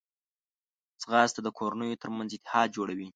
ځغاسته د کورنیو ترمنځ اتحاد جوړوي